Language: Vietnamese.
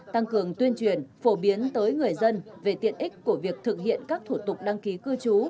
tăng cường tuyên truyền phổ biến tới người dân về tiện ích của việc thực hiện các thủ tục đăng ký cư trú